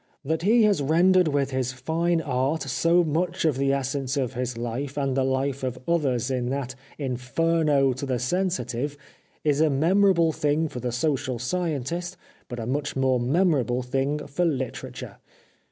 That he has rendered with his fine art so much of the essence of his life and the life of others in that inferno to the sensitive is a memorable thing for the social scientist, but a much more memorable thing for literature.